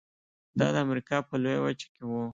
دا د امریکا په لویه وچه کې و.